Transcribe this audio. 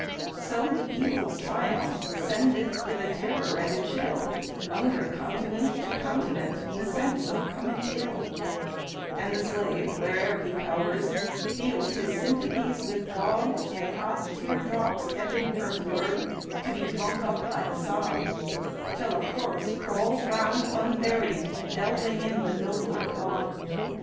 So the Evil's triumph sendeth, with a terror and a chill, Under continent to continent, the sense of coming ill, And the slave, where'er he cowers, feels his sympathies with God In hot tear drops ebbing earthward, to be drunk up by the sod, Till a corpse crawls round unburied, delving in the nobler clod.